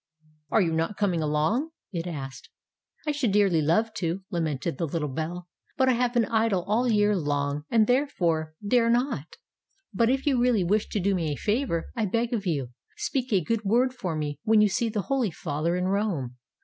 ''Are you not coming along?" it asked. 'H should dearly love to," lamented the little bell, ''but I have been idle all year long, and therefore dare not. But if you really wish to do me a favor, I beg of you, speak a good word for me, when you see the Holy Father in Rome.